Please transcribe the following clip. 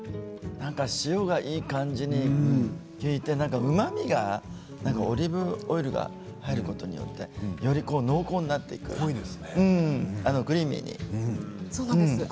何か塩がいい感じに利いてうまみがオリーブオイルが入ることによってより濃厚になっています。